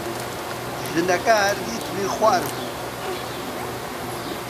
ژنەکە هەر دیتمی خودار بوو: